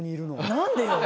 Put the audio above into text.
何でよ。